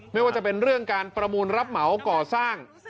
ไม่ว่าจะเป็นเรื่องการประมูลรับเหมาก่อสร้าง